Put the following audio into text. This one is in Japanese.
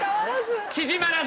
縮まらず。